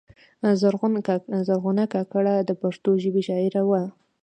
زرغونه کاکړه د پښتو ژبې شاعره وه.